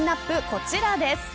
こちらです。